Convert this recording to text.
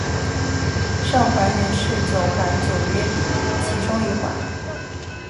上环原是四环九约里其中一环。